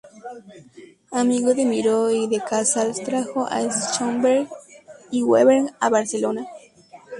Amigo de Miró y de Casals, trajo a Schönberg y Webern a Barcelona.